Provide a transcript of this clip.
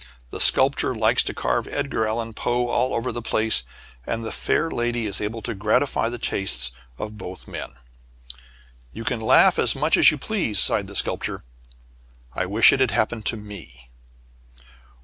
The sculptor likes to carve Edgar Allan Poe all over the place, and the fair lady is able to gratify the tastes of both men." "You can laugh as much as you please," sighed the Sculptor, "I wish it had happened to me."